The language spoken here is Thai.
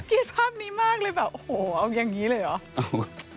เกลียดภาพนี้มากเลยแบบโอ้โหเอายังงี้เลยหรอ